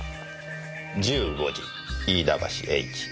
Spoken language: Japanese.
「１５時飯田橋Ｈ」。